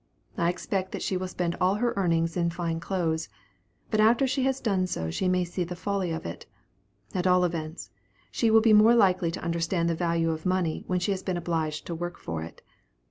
I expect that she will spend all her earnings in fine clothes, but after she has done so she may see the folly of it; at all events, she will be more likely to understand the value of money when she has been obliged to work for it.